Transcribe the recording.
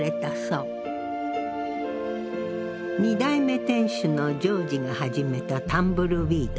二代目店主のジョージが始めたタンブルウィード。